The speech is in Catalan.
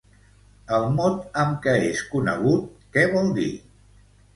El mot amb què és conegut, què vol dir?